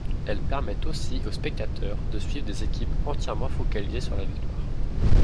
Elles permettent aussi aux spectateurs de suivre des équipes entièrement focalisées sur la victoire.